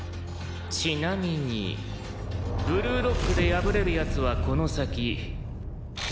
「ちなみにブルーロックで敗れる奴はこの先」